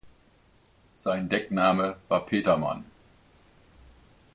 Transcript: Sein Deckname war "Petermann".